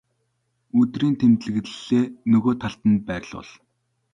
өдрийн тэмдэглэлээ нөгөө талд нь байрлуул.